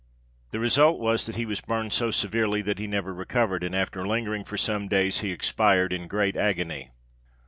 The result was, that he was burned so severely that he never recovered, and, after lingering for some days, he expired in great agony.